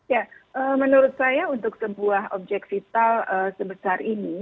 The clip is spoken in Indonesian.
ya menurut saya untuk sebuah objek vital sebesar ini